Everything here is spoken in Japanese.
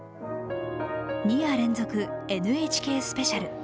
２夜連続「ＮＨＫスペシャル」。